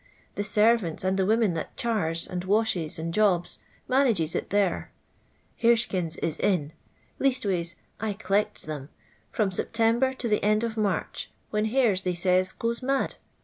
The servants, and the women that chars, and washes, and jobs, mannges it there. ]Iarei>kiii8 is in leastways I c'Iccts them — from September to the end of March, when hares, they says, goes mad.